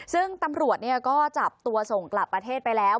ซึ่งตำรวจก็จับตัวส่งกลับประเทศไปแล้ว